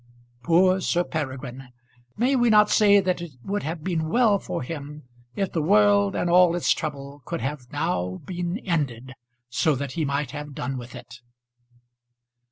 Poor Sir Peregrine! May we not say that it would have been well for him if the world and all its trouble could have now been ended so that he might have done with it?